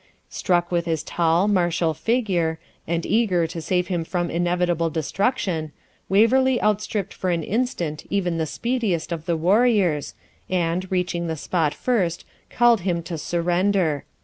Struck with his tall, martial figure, and eager to save him from inevitable destruction, Waverley outstripped for an instant even the speediest of the warriors, and, reaching the spot first, called to him to surrender.